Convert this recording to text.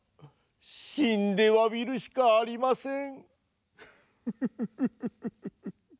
しんでわびるしかありません。